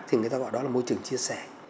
thì người ta gọi đó là môi trường chia sẻ